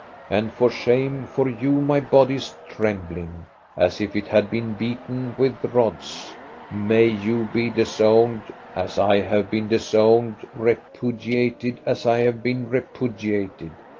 And for shame for you my body is trembling, as if it had been beaten with rods. May you be disowned, as I have been disowned, repudiated as I have been repu diated